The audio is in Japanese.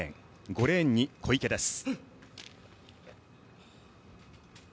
５レーンに小池です。